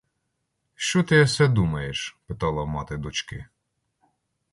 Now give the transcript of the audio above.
Що ти есе думаєш?— питала мати дочки.